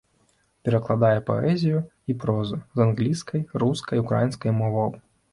Перакладае паэзію і прозу з англійскай, рускай, украінскай моваў.